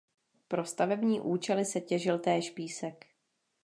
Pro stavební účely se těžil též písek.